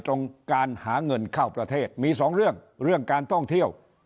ตรงการหาเงินเข้าประเทศมีสองเรื่องเรื่องการท่องเที่ยว